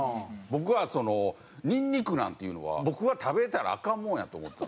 僕はそのにんにくなんていうのは僕は食べたらアカンもんやと思ってたんですよ。